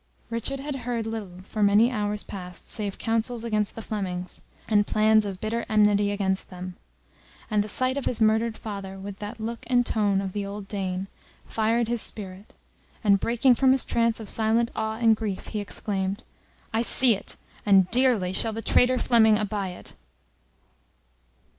Richard had heard little for many hours past save counsels against the Flemings, and plans of bitter enmity against them; and the sight of his murdered father, with that look and tone of the old Dane, fired his spirit, and breaking from his trance of silent awe and grief, he exclaimed, "I see it, and dearly shall the traitor Fleming abye it!"